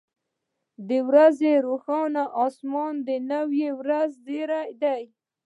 • د ورځې روښانه اسمان د نوې ورځې زیری دی.